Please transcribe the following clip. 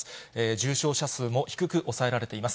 重症者数も低く抑えられています。